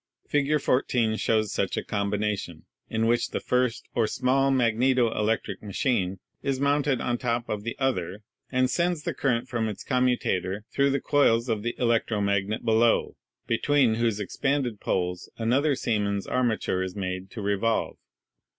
Fig. 14 shows such a combination, in which the first or small magneto electric machine is mounted on the top of the other, and sends the current from its commutator through the coils of the electro magnet below, between whose ex panded poles another Siemens armature is made to re volve.